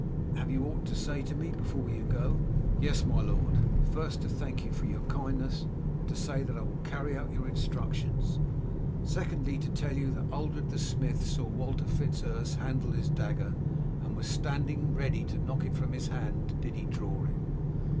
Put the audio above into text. Have you aught to say to me before you go?" "Yes, my lord; first, to thank you for your kindness, and to say that I will carry out your instructions; secondly, to tell you that Ulred the smith saw Walter Fitz Urse handle his dagger, and was standing ready to knock it from his hand did he draw it.